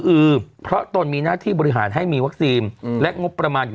อือเพราะตนมีหน้าที่บริหารให้มีวัคซีนและงบประมาณอยู่